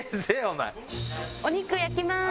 お肉焼きます！